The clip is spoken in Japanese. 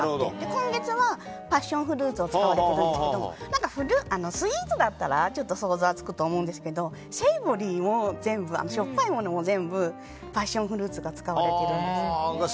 今月は、パッションフルーツを使われているんですがスイーツだったら想像つくんですけどセイボリーも全部しょっぱいものも全部パッションフルーツが使われているんです。